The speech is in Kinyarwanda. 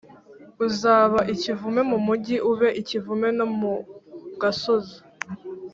Uzaba ikivume mu mugi, ube ikivume no mu gasozi. “